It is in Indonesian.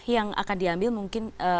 yang akan diambil mungkin